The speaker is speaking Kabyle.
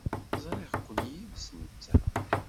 Ẓriɣ-ken yid-s netta.